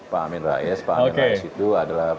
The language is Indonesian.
pak amin rais pak amin rais itu adalah